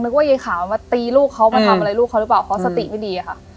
ว่ายายขาวมาตีลูกเขามาทำอะไรลูกเขาหรือเปล่าเพราะสติไม่ดีอะค่ะ